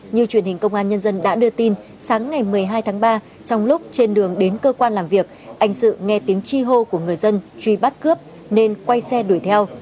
như truyền hình công an nhân dân đã đưa tin sáng ngày một mươi hai tháng ba trong lúc trên đường đến cơ quan làm việc anh sự nghe tiếng chi hô của người dân truy bắt cướp nên quay xe đuổi theo